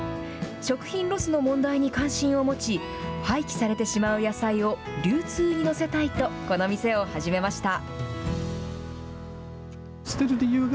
食品ロスの問題に関心を持ち、廃棄されてしまう野菜を流通に乗せたいと、この店を始めました。